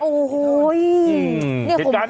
โอ้โหนี่ผมผูกันแล้วนะ